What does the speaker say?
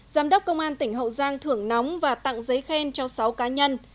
giám đốc công an tỉnh hậu giang thưởng nóng và tặng giấy khen cho sáu cá nhân